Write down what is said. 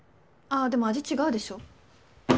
あっでも味違うでしょ。